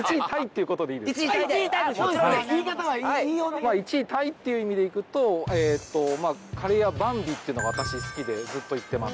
まあ１位タイっていう意味でいくとえっと「カレー屋ばんび」ってのが私好きでずっと行ってます。